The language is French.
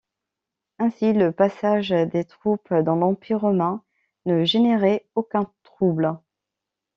Ainsi le passage des troupes dans l'Empire romain ne générait aucun trouble.